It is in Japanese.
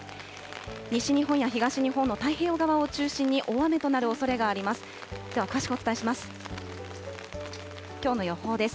西日本や東日本の太平洋側を中心に、大雨となるおそれがあります。